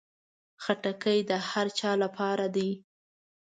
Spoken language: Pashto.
خټکی د هر چا لپاره ده.